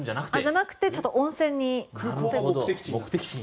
じゃなくて温泉に。